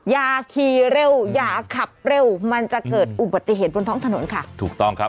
อย่าขี่เร็วอย่าขับเร็วมันจะเกิดอุบัติเหตุบนท้องถนนค่ะถูกต้องครับ